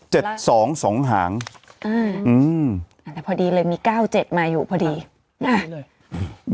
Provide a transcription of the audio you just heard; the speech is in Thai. เจ็ดสองสองหางอืมอันแต่พอดีเลยมีเก้าเจ็ดมาอยู่พอดีอ่ะ